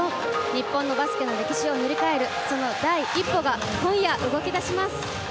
日本のバスケの歴史を塗り替えるその第１歩が今夜、動き出します。